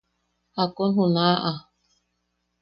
¿Jakun junaʼa?